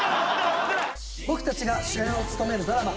僕たちが主演を務めるドラマ